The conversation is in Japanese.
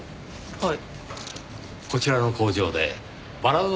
はい？